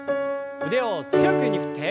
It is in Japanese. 腕を強く上に振って。